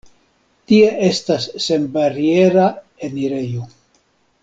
Tie estas senbariera enirejo.